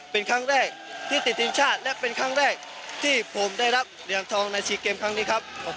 เป็นครั้งแรกที่ติดทีมชาติและเป็นครั้งแรกที่ผมได้รับเหรียญทองใน๔เกมครั้งนี้ครับ